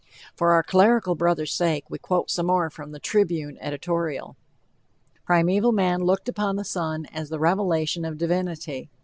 For our clerical brother's sake, we quote some more from the Tribune editorial: Primeval man looked upon the sun as the revelation of divinity.